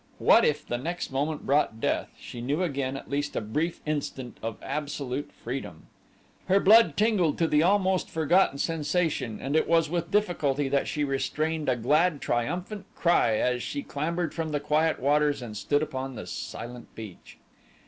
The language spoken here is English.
What if the next moment brought death, she knew again, at least a brief instant of absolute freedom. Her blood tingled to the almost forgotten sensation and it was with difficulty that she restrained a glad triumphant cry as she clambered from the quiet waters and stood upon the silent beach.